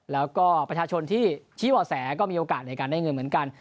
แล้วก็ประชาชนที่ชี้บ่อแสก็มีโอกาสในการได้เงินเหมือนกัน